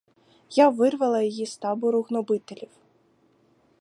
Я вирвала її з табору гнобителів!